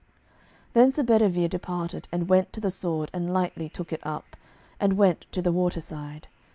Then Sir Bedivere departed, and went to the sword, and lightly took it up, and went to the waterside.